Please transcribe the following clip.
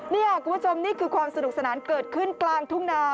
นี่คุณผู้ชมนี่คือความสนุกสนานเกิดขึ้นกลางทุ่งนา